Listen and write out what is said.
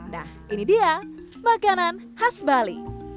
nah ini dia makanan khas bali